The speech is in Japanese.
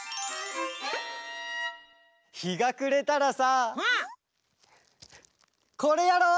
ひがくれたらさこれやろう！